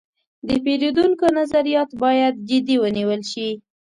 د پیرودونکو نظریات باید جدي ونیول شي.